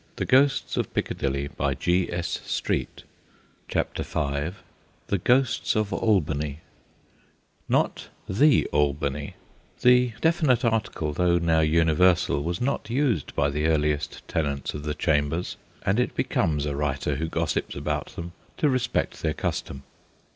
THE GHOSTS OF ALBANY 75 CHAPTER V THE GHOSTS OF ALBANY NOT 'The Albany': the definite article, though now universal, was not used by the earliest tenants of the chambers, and it becomes a writer who gossips about them to respect their custom.